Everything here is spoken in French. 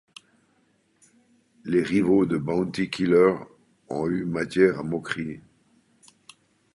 Les rivaux de Bounty Killer ont eu matière à moquerie.